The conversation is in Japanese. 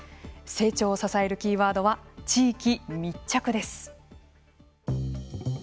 成長を支えるキーワードは地域密着です。